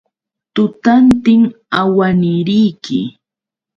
Tutantin awaniriki.